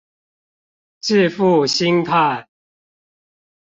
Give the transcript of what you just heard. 致富心態